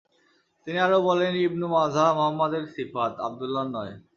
তিনি আরো বলেন, ইবনু মাজাহ মুহাম্মাদের ছিফাত, আব্দুল্লাহর নয়।